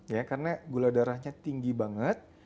ya karena gula darahnya tinggi banget